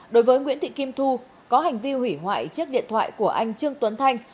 đối với nguyễn thị kim thu có hành vi hủy hoại chiếc điện thoại của anh trương tuấn thanh